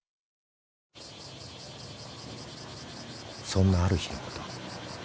［そんなある日のこと］